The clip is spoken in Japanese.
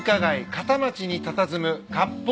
片町にたたずむ。